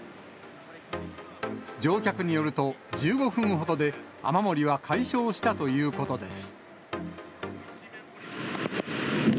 乗客によると、１５分ほどで雨漏りは解消したということです。